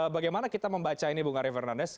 bagaimana kita membaca ini bung karyo fernandez